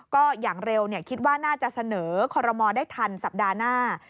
ก็อย่างเร็วคิดว่าน่าจะเสนอคอรมอลได้ทันสัปดาห์หน้า